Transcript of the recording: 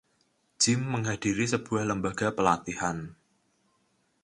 Jim menghadiri sebuah lembaga pelatihan.